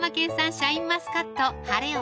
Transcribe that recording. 「シャインマスカット晴王」